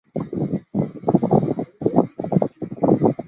至今尚未有经由考古学家挖掘出来的模型。